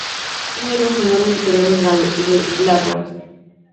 Son hierbas anuales o perennes, glabras.